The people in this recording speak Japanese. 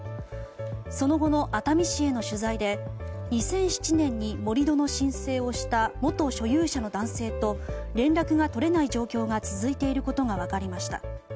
その後の熱海市への取材で２００７年に盛り土の申請をした元所有者の男性と連絡が取れない状況が続いていることが分かりました。